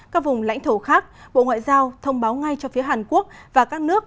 các vùng lãnh thổ khác bộ ngoại giao thông báo ngay cho phía hàn quốc và các nước